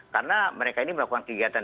karena mereka ini melakukan kegiatan